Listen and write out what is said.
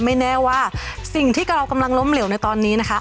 ไม่แน่ว่าสิ่งที่เรากำลังล้มเหลวในตอนนี้นะคะ